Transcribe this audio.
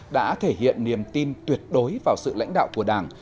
đã thể hiện niềm tin tuyệt đối vào sự lãnh đạo của đảng